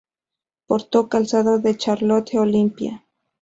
Portó calzado de Charlotte Olympia.